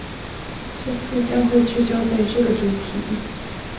這次將會聚焦在這個主題